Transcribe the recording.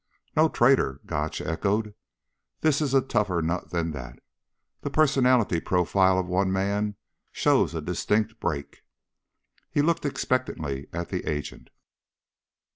"No traitor," Gotch echoed. "This is a tougher nut than that. The personality profile of one man shows a distinct break." He looked expectantly at the agent.